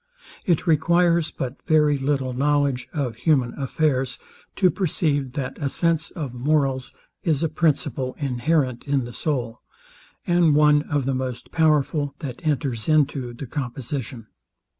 It requires but very little knowledge of human affairs to perceive, that a sense of morals is a principle inherent in the soul, and one of the most powerful that enters into the composition.